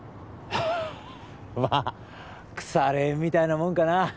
まあ腐れ縁みたいなもんかな